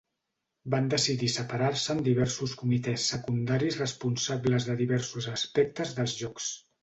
Van decidir separar-se en diversos comitès secundaris responsables de diversos aspectes dels Jocs.